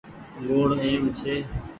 لوُڻ اهم ڇي۔